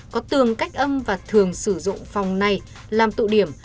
có tường cách âm và thường sử dụng phòng này làm tụ điểm